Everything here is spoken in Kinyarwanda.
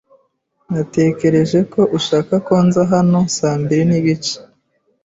Natekereje ko ushaka ko nza hano saa mbiri n'igice.